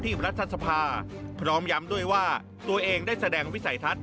รัฐสภาพร้อมย้ำด้วยว่าตัวเองได้แสดงวิสัยทัศน